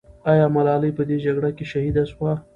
آیا ملالۍ په دې جګړه کې شهیده سوه؟